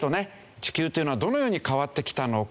地球っていうのはどのように変わってきたのか。